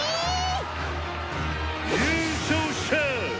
「優勝者！